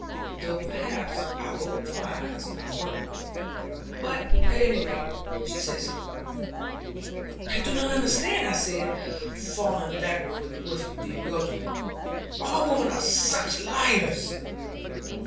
Though perhaps I overprize my work. But at any rate she says so.' 'I do not understand,' I said, falling back with bewilderment; 'all women are such liars.'